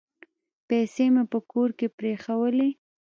پیسې مي په کور کې پرېښولې .